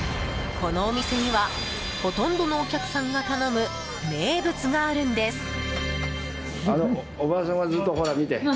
このお店にはほとんどのお客さんが頼む名物があるんです。